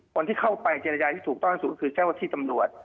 คนที่เข้าไปเจรจาที่ถูกต้องที่สุดคือเจ้าที่ตำรวจ